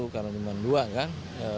karena cuma dua kan